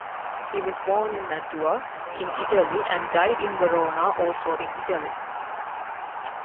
He was born in Mantua, in Italy and died in Verona, also in Italy.